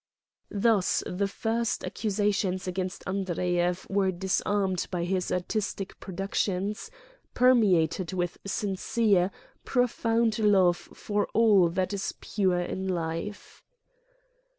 Thus the first accusations against Andreyev were disarmed by his artistic productions, per meated with sincere, profound love for all that i$ pure in life.